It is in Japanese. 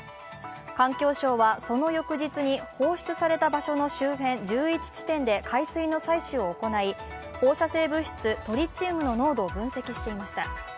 環境省はその翌日に放出された場所の周辺１１地点で海水の採取を行い放射性物質トリチウムの濃度を分析していました。